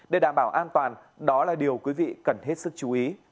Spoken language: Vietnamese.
để đảm bảo an toàn đó là điều quý vị cần hết sức chú ý